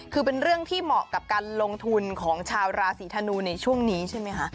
คือเป็นเรื่องที่เหมาะกับการลงทุนของชาวราศีธนูในช่วงนี้ใช่ไหมคะ